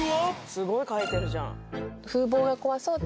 すごい書いてるじゃん。